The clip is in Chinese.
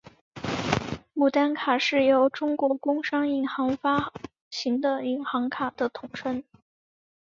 牡丹卡是由中国工商银行发行的银行卡的统称。